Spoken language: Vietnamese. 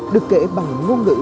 được kể bằng ngôn ngữ